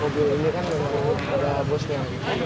mobil ini kan memang ada busnya